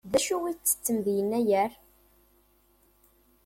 D acu i ttettem di Yennayer?